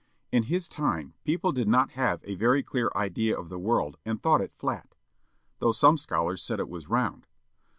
In his time people did not have a very clear idea of the world and thought it flat. Though some scholars said it was round.